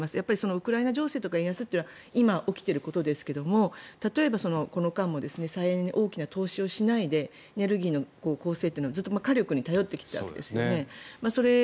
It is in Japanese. ウクライナ情勢とか円安は今起きていることですが例えば、この間も再エネに大きな投資をしないでエネルギーの構成というのはずっと火力に頼ってきたんですよね。